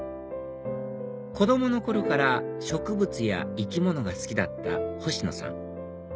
子供の頃から植物や生き物が好きだった星野さん